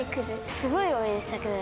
すごい応援したくなる。